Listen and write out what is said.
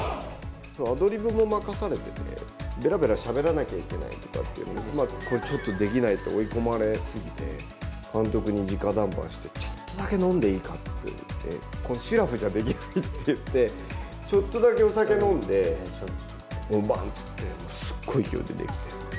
アドリブも任されていて、べらべらしゃべらなきゃいけないとかいって、これちょっとできないって追い込まれ過ぎて、監督にじか談判して、ちょっとだけ飲んでいいかって言って、しらふじゃできないっていって、ちょっとだけお酒飲んで、本番って言って、すっごい勢いで出てきて。